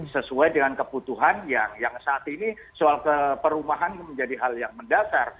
sesuai dengan kebutuhan yang saat ini soal perumahan menjadi hal yang mendasar